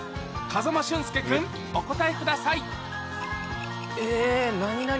風間俊介君お答えくださいえ何々